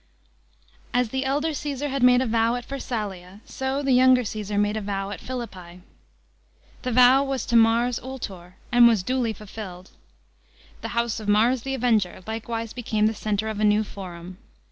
As the elder Caesar had made a vow at Pharsnlia, . o the younger Caesar made a vow at Philippi. The vow was to Mars Ultor, and was dul\ fulfilled. The house of Mars the Avenger likewise became the centre of a new Forum.